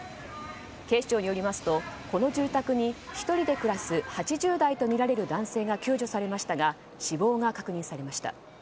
警視庁によりますとこの住宅に１人で暮らす８０代とみられる男性が救助されましたが死亡が確認されました。